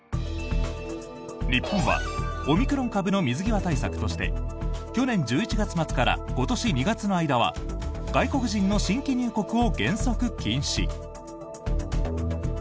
日本はオミクロン株の水際対策として去年１１月末から今年２月の間は外国人の新規入国を原則禁止。